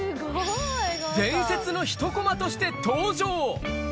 伝説の一こまとして登場。